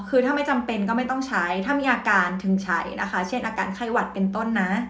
คือถ้าไม่จำเป็นก็ไม่ต้องใช้ถ้ามีอาการถึงใช้นะคะเช่นอาการไข้หวัดเป็นต้นนะ